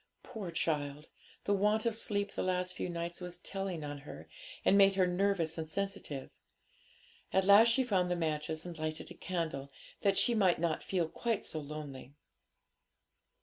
Poor child! the want of sleep the last few nights was telling on her, and had made her nervous and sensitive. At last she found the matches and lighted a candle, that she might not feel quite so lonely.